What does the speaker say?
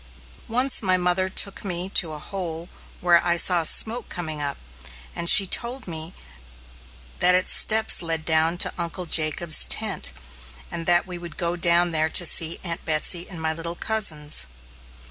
Once my mother took me to a hole where I saw smoke coming up, and she told me that its steps led down to Uncle Jacob's tent, and that we would go down there to see Aunt Betsy and my little cousins.